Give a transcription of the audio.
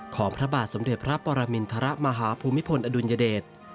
พระบาทสมเด็จพระปรมินทรมาฮภูมิพลอดุลยเดช